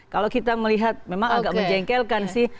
kalau kita melihat memang agak menjengkelkan sih